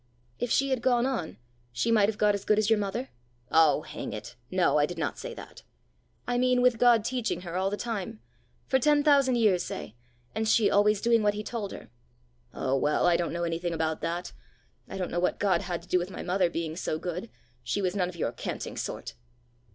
"If she had gone on, she might have got as good as your mother?" "Oh, hang it! no; I did not say that!" "I mean, with God teaching her all the time for ten thousand years, say and she always doing what he told her!" "Oh, well! I don't know anything about that. I don't know what God had to do with my mother being so good! She was none of your canting sort!"